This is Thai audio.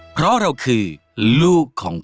เพราะเราคือลูกของเขา